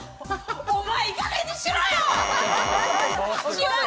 お前いいかげんにしろよ！